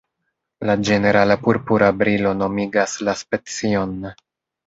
La ĝenerala purpura brilo nomigas la specion.